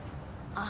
あ